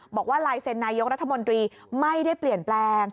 บอกว่าลายเซ็นนายกรัฐมนตรีไม่ได้เปลี่ยนแปลง